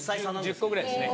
１０個ぐらいですね。